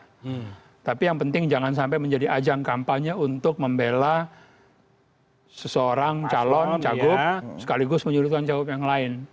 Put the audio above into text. tapi yang penting jangan sampai menjadi ajang kampanye untuk membela seseorang calon cagup sekaligus menyurutkan cagup yang lain